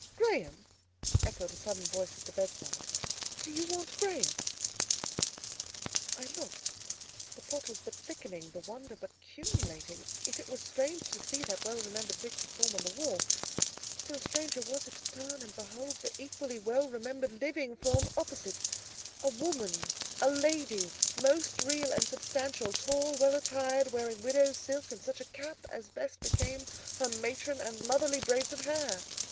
"Graham!" echoed a sudden voice at the bedside. "Do you want Graham?" I looked. The plot was but thickening; the wonder but culminating. If it was strange to see that well remembered pictured form on the wall, still stranger was it to turn and behold the equally well remembered living form opposite—a woman, a lady, most real and substantial, tall, well attired, wearing widow's silk, and such a cap as best became her matron and motherly braids of hair.